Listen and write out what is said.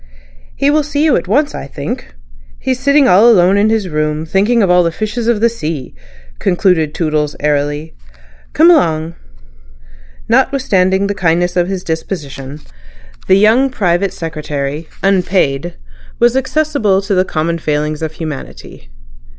"He will see you at once, I think. He's sitting all alone in his room thinking of all the fishes of the sea," concluded Toodles airily. "Come along." Notwithstanding the kindness of his disposition, the young private secretary (unpaid) was accessible to the common failings of humanity.